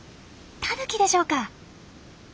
タヌキでしょうか？